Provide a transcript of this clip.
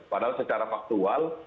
padahal secara faktual